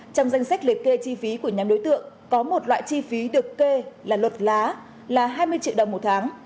trong danh sách liệt kê chi phí của nhóm đối tượng có một loại chi phí được kê là luật lá là hai mươi triệu đồng một tháng